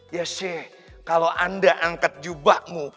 ya che kalau anda angkat jubahmu